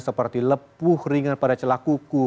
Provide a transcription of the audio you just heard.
seperti lepuh ringan pada celah kuku